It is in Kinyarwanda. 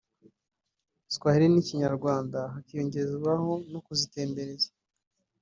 Swahili n’Ikinyarwanda hakiyongeraho no kuzitembereza